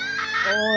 おい